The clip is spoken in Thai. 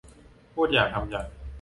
พูดอย่างทำอย่าง